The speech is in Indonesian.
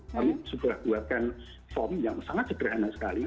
mereka juga buatkan form yang sangat sederhana sekali